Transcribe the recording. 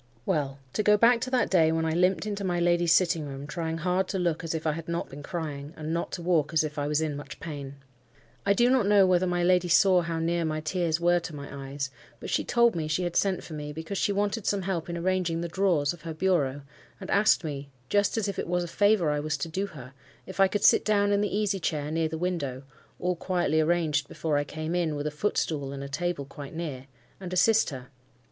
Well, to go back to that day when I limped into my lady's sitting room, trying hard to look as if I had not been crying, and not to walk as if I was in much pain. I do not know whether my lady saw how near my tears were to my eyes, but she told me she had sent for me, because she wanted some help in arranging the drawers of her bureau, and asked me—just as if it was a favour I was to do her—if I could sit down in the easy chair near the window—(all quietly arranged before I came in, with a footstool, and a table quite near)—and assist her.